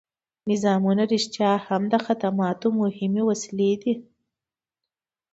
نظامونه رښتیا هم د خدماتو مهمې وسیلې دي.